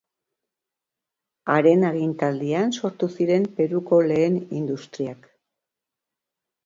Haren agintaldian sortu ziren Peruko lehen industriak.